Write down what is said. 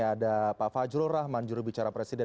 ada pak fajrul rahman jurubicara presiden